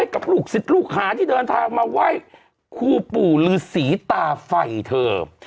กับลูกศิษย์ลูกหาที่เดินทางมาไหว้ครูปู่ฤษีตาไฟเธอ